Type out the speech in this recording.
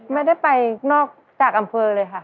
ไม่ได้ไปนอกจากอำเภอเลยค่ะ